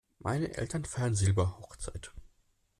Meine Eltern feiern Silberhochzeit.